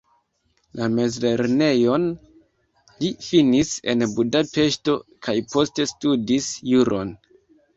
La mezlernejon li finis en Budapeŝto kaj poste studis juron.